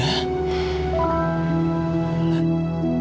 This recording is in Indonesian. lara gak sedih